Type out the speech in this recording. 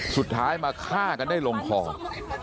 สุดท้ายมาฆ่ากันได้ลงคอ